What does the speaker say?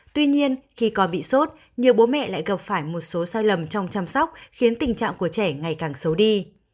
tuy nhiên khi con bị sốt nhiều bố mẹ lại gặp phải một số sai lầm trong chăm sóc khiến tình trạng của trẻ ngày càng xấu đi